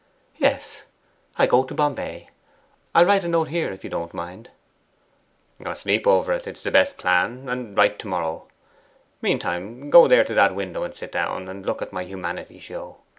'Yes; I go to Bombay. I'll write a note here, if you don't mind.' 'Sleep over it it is the best plan and write to morrow. Meantime, go there to that window and sit down, and look at my Humanity Show.